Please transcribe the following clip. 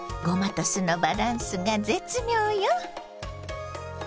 ごまと酢のバランスが絶妙よ。